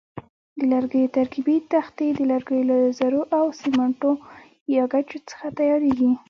د لرګیو ترکیبي تختې د لرګیو له ذرو او سیمټو یا ګچو څخه تیاریږي.